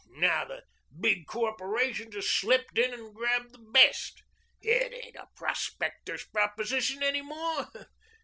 Now the big corporations have slipped in and grabbed the best. It ain't a prospector's proposition any more.